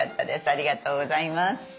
ありがとうございます。